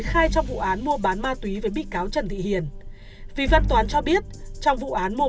khai trong vụ án mua bán ma túy với bị cáo trần thị hiền vì văn toán cho biết trong vụ án mô